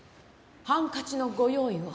ハンカチのご用意を」